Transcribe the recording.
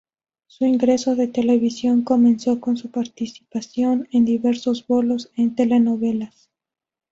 Su ingreso de televisión comenzó con su participación en diversos bolos en telenovelas.